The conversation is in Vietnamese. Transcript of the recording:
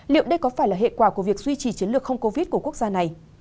liệu đây có phải là hệ quả của việc duy trì chiến lược không covid của quốc gia này